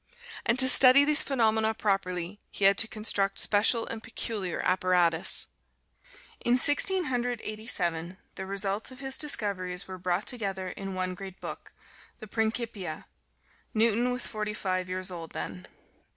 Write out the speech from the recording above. And to study these phenomena properly, he had to construct special and peculiar apparatus. In Sixteen Hundred Eighty seven the results of his discoveries were brought together in one great book, the "Principia." Newton was forty five years old then.